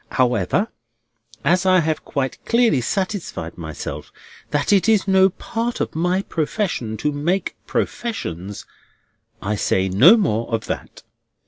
"However, as I have quite clearly satisfied myself that it is no part of my profession to make professions, I say no more of that.